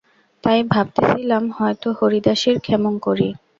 তাই ভাবিতেছিলাম, হয়তো হরিদাসীর— ক্ষেমংকরী।